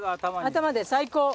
頭で最高。